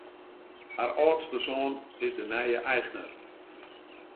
Har âldste soan is de nije eigner.